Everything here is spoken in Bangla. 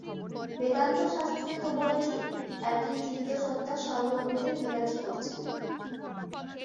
বেদান্তশাস্ত্রে তো বলেছে, একই চিৎসত্তা সর্বভূতে বিরাজ করছেন।